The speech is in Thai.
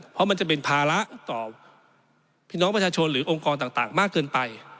เพราะมันจะเป็นภาระต่อพี่น้องประชาชนหรือองค์กรต่างมากเกินไป